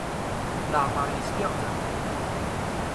Leɛmer yezdiɣ da.